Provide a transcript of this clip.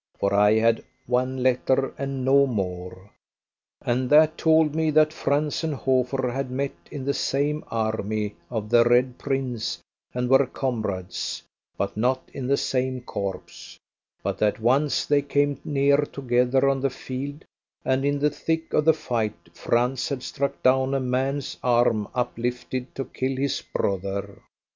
For I had one letter and no more; and that told me that Franz and Hofer had met in the same army of the Red Prince and were comrades, but not in the same corps; but that once they came near together on the field, and in the thick of the fight Franz had struck down a man's arm uplifted to kill his brother.